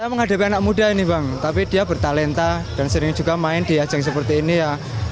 saya menghadapi anak muda ini bang tapi dia bertalenta dan sering juga main di ajang seperti ini ya